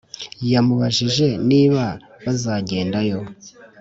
yamubajije niba bazagenda yo